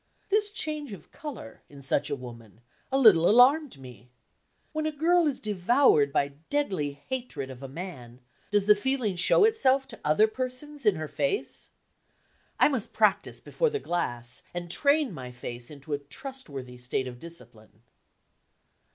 This change of color (in such a woman) a little alarmed me. When a girl is devoured by deadly hatred of a man, does the feeling show itself to other persons in her face? I must practice before the glass and train my face into a trustworthy state of discipline.